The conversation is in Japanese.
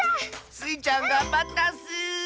スイちゃんがんばったッス！